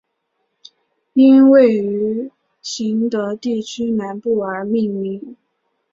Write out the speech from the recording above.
因位于行德地区南部而命名。